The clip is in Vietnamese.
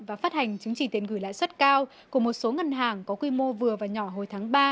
và phát hành chứng chỉ tiền gửi lãi suất cao của một số ngân hàng có quy mô vừa và nhỏ hồi tháng ba